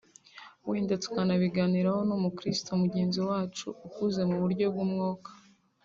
wenda tukanabiganiraho n’Umukristo mugenzi wacu ukuze mu buryo bw’umwuka